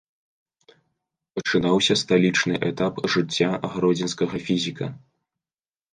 Пачынаўся сталічны этап жыцця гродзенскага фізіка.